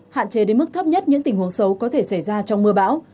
hạn chế đến mức thấp nhất những tình huống xấu có thể xảy ra trong mưa bão